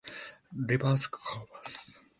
Reserve Corps.